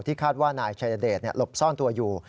คาดว่านายชายเดชหลบซ่อนตัวอยู่